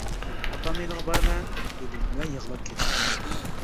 «ئاپامنىڭ يېنىغا بارىمەن» دېدىم ۋە يىغلاپ كەتتىم.